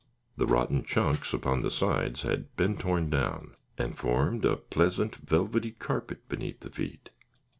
The rotten chunks upon the sides had been torn down and formed a pleasant, velvety carpet beneath the feet.